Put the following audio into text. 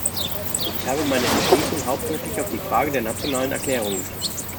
Ich habe meine Entschließung hauptsächlich auf die Frage der nationalen Erklärungen gestützt.